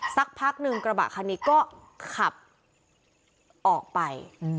สักพักหนึ่งกระบะคันนี้ก็ขับออกไป